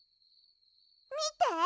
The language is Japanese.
みて。